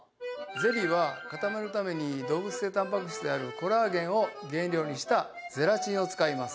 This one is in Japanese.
ゼリーは固めるために動物性タンパク質であるコラーゲンを原料にしたゼラチンを使います。